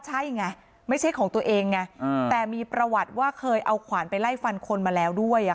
ใช่ไงไม่ใช่ของตัวเองไงแต่มีประวัติว่าเคยเอาขวานไปไล่ฟันคนมาแล้วด้วย